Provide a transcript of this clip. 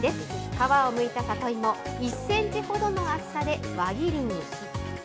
皮をむいた里芋を、１センチほどの厚さの輪切りに。